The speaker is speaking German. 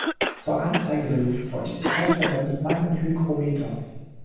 Zur Anzeige der Luftfeuchtigkeit verwendet man ein Hygrometer.